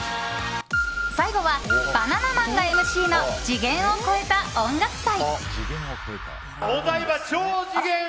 最後はバナナマンがＭＣの次元を超えた音楽祭。